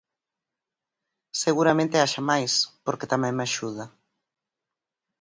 Seguramente haxa máis, porque tamén me axuda.